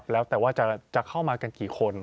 แล้วแต่ว่าจะเข้ามากันกี่คน